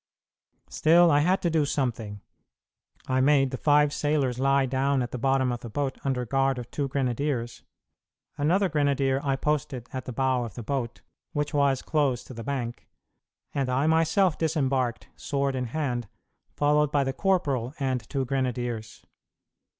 Still, I had to do something. I made the five sailors lie down at the bottom of the boat under guard of two grenadiers, another grenadier I posted at the bow of the boat, which was close to the bank, and myself disembarked, sword in hand, followed by the corporal and two grenadiers.